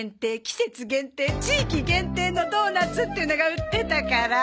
季節限定地域限定のドーナツっていうのが売ってたから。